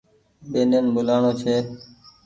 ٻينين ٻولآڻو ڇي